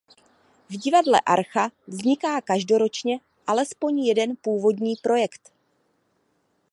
V Divadle Archa vzniká každoročně alespoň jeden původní projekt.